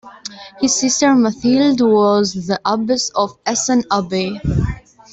His sister Mathilde was the abbess of Essen Abbey.